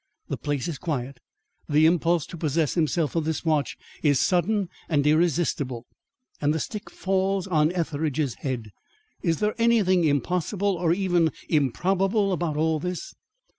The place is quiet; the impulse to possess himself of this watch is sudden and irresistible, and the stick falls on Etheridge's head. Is there anything impossible or even improbable about all this?